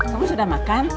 kamu sudah makan